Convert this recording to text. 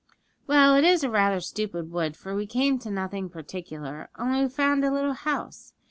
'Well, it is rather a stupid wood, for we came to nothing particular; only we've found a little house.